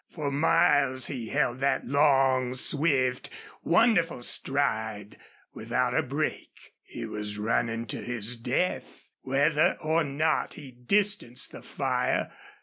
For miles he held that long, swift, wonderful stride without a break. He was running to his death, whether or not he distanced the fire.